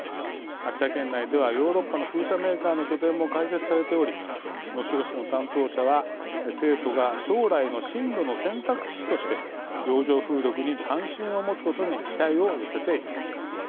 秋田県内ではヨーロッパの風車メーカーの拠点も開設されており能代市の担当者は生徒が将来の進路の選択肢として洋上風力に関心を持つことに期待を寄せています。